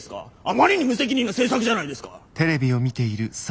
あまりに無責任な政策じゃないですか！